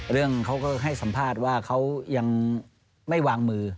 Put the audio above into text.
เรื่องเขาก็ให้สัมภาษณ์ว่าเขายังไม่วางมือ